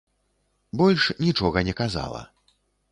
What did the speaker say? Больш нічога не казала.